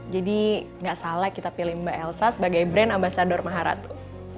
gak salah kita pilih mbak elsa sebagai brand ambasador maharatu